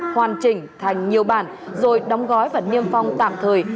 hoàn chỉnh thành nhiều bản rồi đóng gói và niêm phong tạm thời